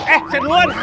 eh saya duluan